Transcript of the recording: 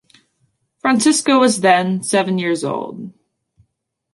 Francisco was then, seven years old.